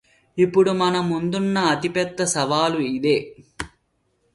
ఇప్పుడు మన ముందున్న అతి పెద్ద సవాలు ఇదే